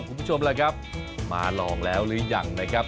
คุณผู้ชมล่ะครับมาลองแล้วหรือยังนะครับ